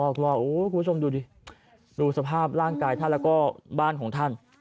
คุณผู้ชมดูดิดูสภาพร่างกายท่านแล้วก็บ้านของท่าน